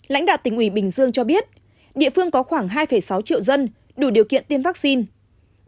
lãnh đạo tỉnh ủy bình dương cho biết địa phương có khoảng hai sáu triệu dân đủ điều kiện tiêm vaccine